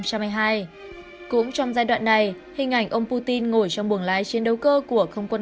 hai nghìn hai mươi hai cũng trong giai đoạn này hình ảnh ông putin ngồi trong buồng lái chiến đấu cơ của không quân